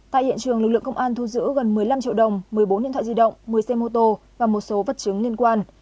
tại hiện trường lực lượng công an thu giữ gần một mươi năm triệu đồng một mươi bốn điện thoại di động một mươi xe mô tô và một số vật chứng liên quan